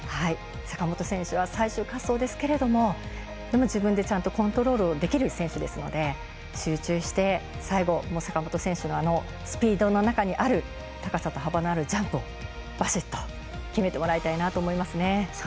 坂本選手は最終滑走ですけれどもでも自分でちゃんとコントロールできる選手ですので集中して最後、坂本選手のあのスピードの中にある高さと幅のあるジャンプをバシッと決めてもらいたいなと思いますね。